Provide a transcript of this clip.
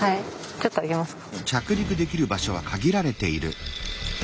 ちょっと上げますか。